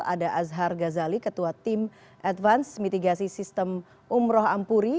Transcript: ada azhar ghazali ketua tim advance mitigasi sistem umroh ampuri